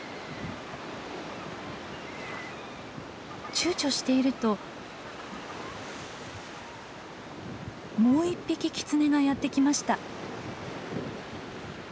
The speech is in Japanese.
躊躇しているともう１匹キツネがやって来ました。